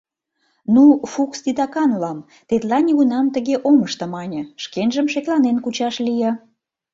Ну, Фукс титакан улам, тетла нигунам тыге ом ыште мане, шкенжым шекланен кучаш лие.